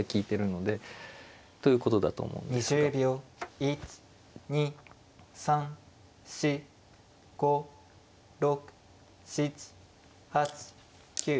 １２３４５６７８９。